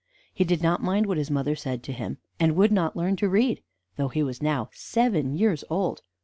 He did not mind what his mother said to him, and would not learn to read, though he was now seven years old.